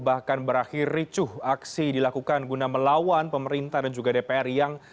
bahkan berakhir ricuh aksi dilakukan guna melawan pemerintah dan juga dpr yang